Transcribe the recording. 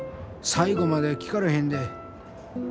最後まで聴かれへんで。